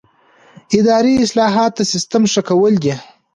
اداري اصلاحات د سیسټم ښه کول دي